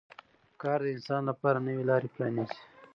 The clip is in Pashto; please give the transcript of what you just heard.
کار د انسان لپاره نوې لارې پرانیزي